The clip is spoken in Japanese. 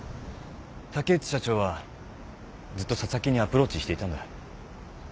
竹内社長はずっと紗崎にアプローチしていたんだ。